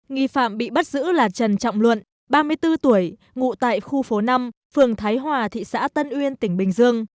nghi phạm bị bắt giữ là trần trọng luận ba mươi bốn tuổi ngụ tại khu phố năm phường thái hòa thị xã tân uyên tỉnh bình dương